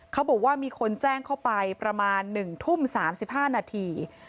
เขาบอกว่ามีคนแจ้งเข้าไปประมาณ๑ทุ่ม๓๕นาที